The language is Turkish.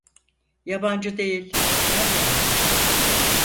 Yabancı değil, ben geldim.